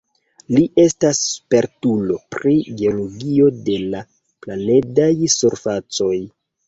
Li estas spertulo pri geologio de la planedaj surfacoj.